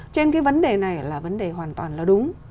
cho nên cái vấn đề này là vấn đề hoàn toàn là đúng